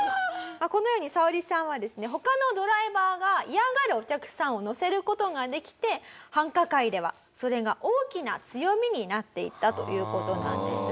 このようにサオリさんはですね他のドライバーが嫌がるお客さんを乗せる事ができて繁華街ではそれが大きな強みになっていったという事なんです。